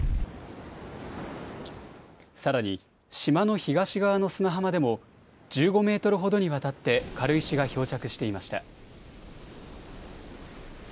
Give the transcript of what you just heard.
さらに島の東側の砂浜でも１５メートルほどにわたって軽石が漂着していました。